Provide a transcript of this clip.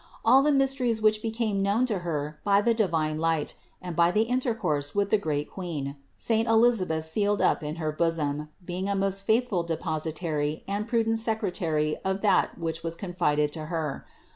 All the mysteries which became known to her by the divine light and by the intercourse with the great Queen, saint Elisabeth sealed up in her bosom, being a most faithful depositary and prudent secretary of that which was confided to her.